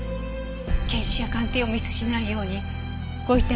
検視や鑑定をミスしないようにご遺体と一緒に。